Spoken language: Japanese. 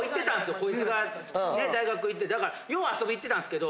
こいつがね大学行ってだからよう遊びに行ってたんですけど。